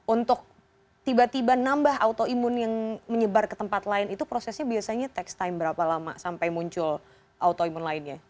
untuk tiba tiba nambah autoimun yang menyebar ke tempat lain itu prosesnya biasanya tax time berapa lama sampai muncul autoimun lainnya